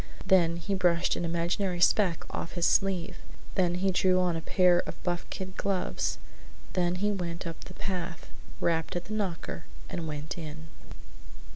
Then he brushed an imaginary speck off his sleeve, then he drew on a pair of buff kid gloves, then he went up the path, rapped at the knocker, and went in.